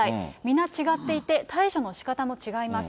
皆違っていて、対処のしかたも違います。